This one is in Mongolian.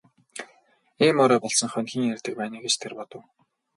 Ийм орой болсон хойно хэн ирдэг байна аа гэж тэр бодов.